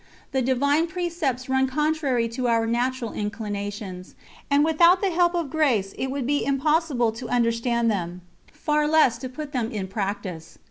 The Divine precepts run contrary to our natural inclinations, and without the help of grace it would be impossible to understand them, far less to put them in practice.